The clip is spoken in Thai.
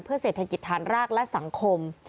เศรษฐกิจฐานรากและสังคม